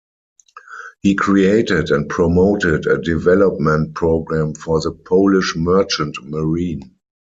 He created and promoted a development program for the Polish merchant marine.